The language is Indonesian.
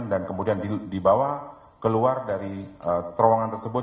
dan kemudian dibawa keluar dari terowongan tersebut